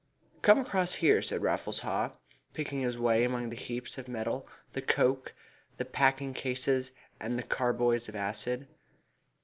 "Come across here," said Raffles Haw, picking his way among the heaps of metal, the coke, the packing cases, and the carboys of acid.